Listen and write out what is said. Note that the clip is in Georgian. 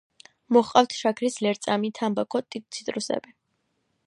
მოჰყავთ შაქრის ლერწამი, თამბაქო, ციტრუსები.